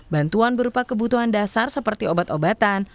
bantuan berupa kebutuhan dasar seperti obat obatan